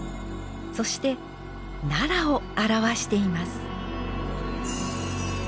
そして奈良を表しています。